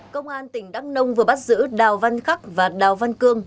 công an tỉnh đắk nông vừa bắt giữ đào văn khắc và đào văn cương